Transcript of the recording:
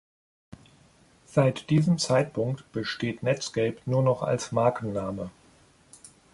Seit diesem Zeitpunkt besteht Netscape nur noch als Markenname.